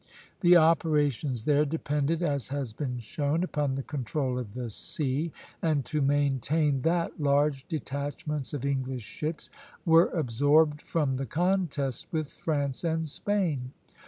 The operations there depended, as has been shown, upon the control of the sea; and to maintain that, large detachments of English ships were absorbed from the contest with France and Spain.